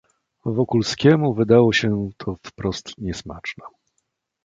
"Wokulskiemu wydało się to wprost niesmaczne."